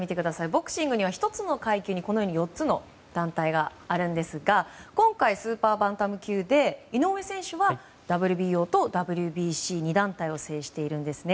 ボクシングには１つの階級に４つの団体があるんですが今回、スーパーバンタム級で井上選手はＷＢＯとＷＢＣ２団体を制しているんですね。